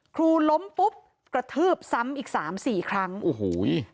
ล้มปุ๊บกระทืบซ้ำอีกสามสี่ครั้งโอ้โห